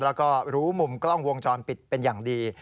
แล้วก็รู้มุมกล้องวงจรปิดเป็นอย่างดี